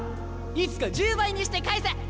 いつか１０倍にして返す！